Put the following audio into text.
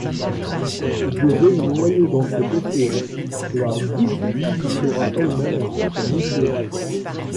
Je veux me noyer dans cet océan, la 'goutte' sera elle-même ensuite un océan.